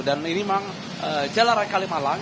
dan ini memang jalan raya kalimahalang